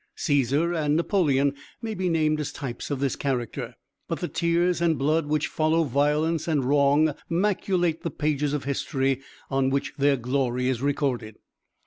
Cæsar and Napoleon may be named as types of this character. But the tears and blood which follow violence and wrong maculate the pages of history on which their glory is recorded.